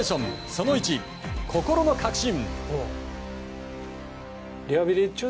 その１心の革新。